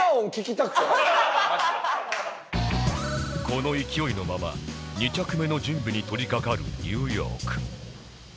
この勢いのまま２着目の準備に取りかかるニューヨーク